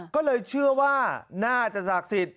ก็เลยเชื่อว่าน่าจะศักดิ์สิทธิ์